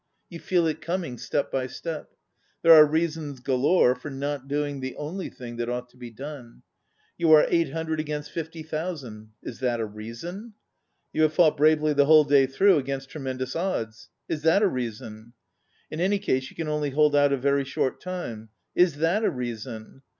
You fed it coming, step by step. There are reasons galore for not doing the only thing that ought to be done. You are eight hundred against fifty thousand. Is that a reason? You have fought bravely the whole day through against tremendous odds. Is that a reason? In any case you can only hold out a very short time. Is that a reason?